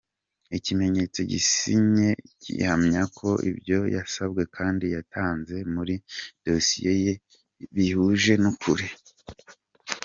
Ikimenyetso gisinye gihamya ko ibyo yasabwe kandi yatanze muri dosiye ye bihuje n’ukuri;.